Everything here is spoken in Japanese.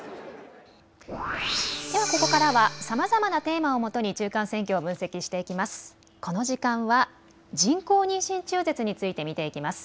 ではここからはさまざまなテーマをもとに中間選挙を分析していきます。